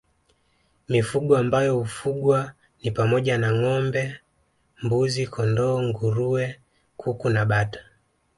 Mifugo ambayo hufugwa ni pamoja na ngâombe mbuzi kondoo nguruwe kuku na bata